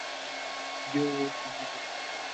جیو اور جینے دو